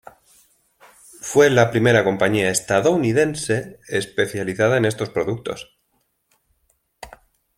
Fue la primera compañía estadounidense especializada en estos productos.